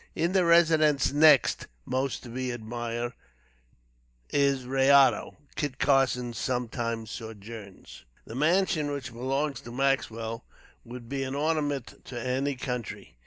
In the residence next most to be admired in Rayado, Kit Carson sometimes sojourns. The mansion which belongs to Maxwell would be an ornament to any country.